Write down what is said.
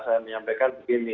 saya menyampaikan begini